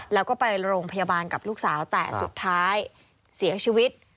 แล้วก็ไปโรงพยาบาลกับลูกสาวแต่สุดท้ายเสียชีวิต